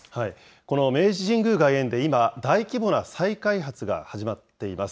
この明治神宮外苑で今、大規模な再開発が始まっています。